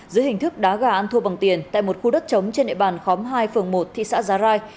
dưới hình thức đá gà an thuộc bằng tiền tại một khu đất chống trên nệ bàn khóm hai phường một thị xã già rai